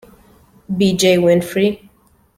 B. J. Winfree.